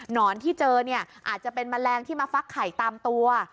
นอนที่เจอเนี่ยอาจจะเป็นแมลงที่มาฟักไข่ตามตัว